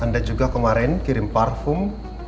anda juga kemarin kirim parfum